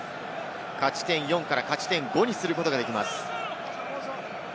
勝ち点４から勝ち点５にすることができます。